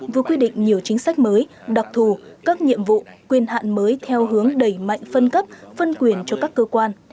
vừa quy định nhiều chính sách mới đặc thù các nhiệm vụ quyền hạn mới theo hướng đẩy mạnh phân cấp phân quyền cho các cơ quan